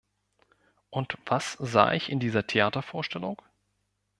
Und was sah ich in dieser Theatervorstellung?